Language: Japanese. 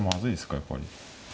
やっぱり。